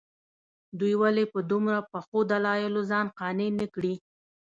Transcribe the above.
دوی ولې په دومره پخو دلایلو ځان قانع نه کړي.